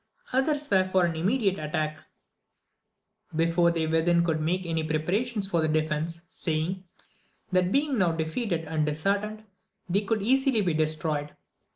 Others were for an immediate attack, before they within could make any preparations for defence, sajdng. That being now defeated and dis heartened, they could easily be destroyed.